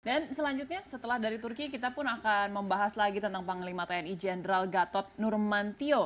selanjutnya setelah dari turki kita pun akan membahas lagi tentang panglima tni jenderal gatot nurmantio